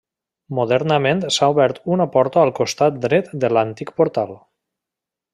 Modernament s'ha obert una nova porta al costat dret de l'antic portal.